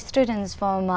tôi sẽ nói rằng